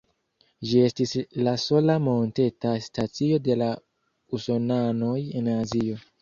Ĝi estis la sola monteta stacio de la Usonanoj en Azio.